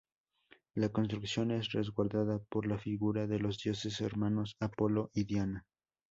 La construcción es resguardada por la figura de los dioses hermanos Apolo y Diana.